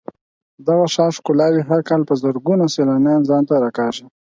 د دغه ښار ښکلاوې هر کال په زرګونو سېلانیان ځان ته راکاږي.